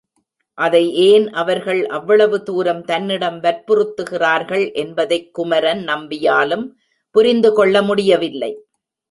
அதை ஏன் அவர்கள் அவ்வளவு தூரம் தன்னிடம் வற்புறுத்துகிறார்கள் என்பதைக் குமரன் நம்பியாலும் புரிந்து கொள்ள முடியவில்லை.